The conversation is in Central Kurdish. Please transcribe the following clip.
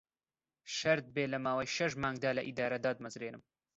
شەرت بێ لە ماوەی شەش مانگدا لە ئیدارە داتمەزرێنم